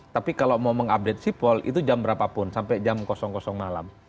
tapi kalau mau mengupdate sipol itu jam berapapun sampai jam malam